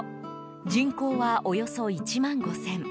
人口は、およそ１万５０００。